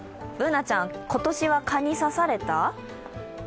Ｂｏｏｎａちゃん、今年は蚊に刺された？